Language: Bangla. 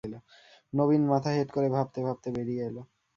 নবীন মাথা হেঁট করে ভাবতে ভাবতে বেরিয়ে এল।